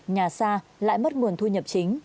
nhà xa lại mất nguồn thu nhập chính